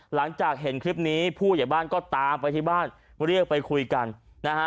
หลังจากเห็นคลิปนี้ผู้ใหญ่บ้านก็ตามไปที่บ้านเรียกไปคุยกันนะฮะ